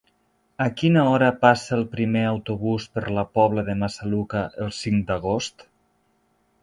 A quina hora passa el primer autobús per la Pobla de Massaluca el cinc d'agost?